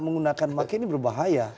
menggunakan makian ini berbahaya